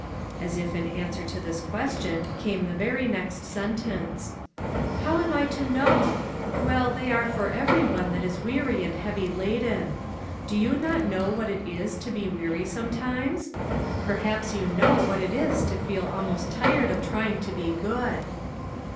As if in answer to this question, came the very next sentence :" How am I to know ? 44 "A GIRL OUT OF A BOOK" Well, they are for every one that is weary and heavy laden. Do you not know what it is to be weary sometimes ? Perhaps you know what it is to feel almost tired of trying to be good."